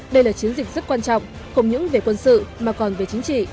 đây là chiến dịch rất quan trọng không những về quân sự mà còn về chính trị